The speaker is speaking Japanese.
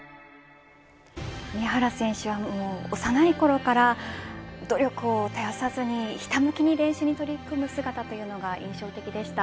宮原選手はもう幼いころから努力を絶やさずにひたむきに練習に取り組む姿というのが印象的でした。